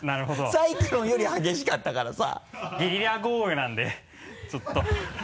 サイクロンより激しかったからさゲリラ豪雨なんでちょっと。